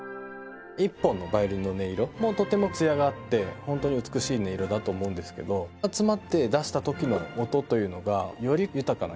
一本のヴァイオリンの音色もとてもつやがあって本当に美しい音色だと思うんですけど集まって出したときの音というのがより豊かな響き